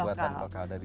buatan lokal dari cina